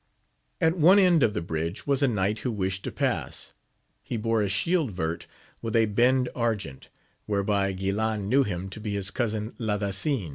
At one end of the bridge was a knight who wished to pass ; he bore a shield vert, with a bend argent, whereby Guilan knew him to be his cousin Ladasin.